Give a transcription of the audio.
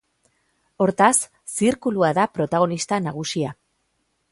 Hortaz, zirkulua da protagonista nagusia.